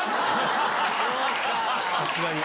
さすがに。